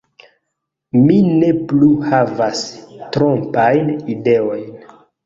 Mi ne plu havas trompajn ideojn.